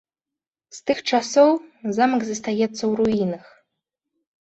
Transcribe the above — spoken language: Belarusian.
З тых часоў замак застаецца ў руінах.